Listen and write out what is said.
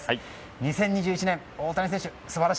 ２０２１年、大谷選手